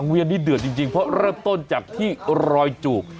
เวียนนี่เดือดจริงเพราะเริ่มต้นจากที่รอยจูบ